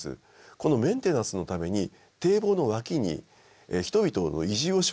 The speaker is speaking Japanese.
このメンテナンスのために堤防の脇に人々の移住を奨励するんです。